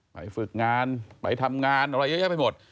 ฝึกงานไปทำงานอะไรเยอะแยะไปหมด